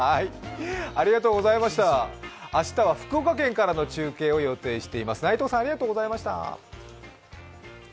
明日は福岡県からの中継を予定しています。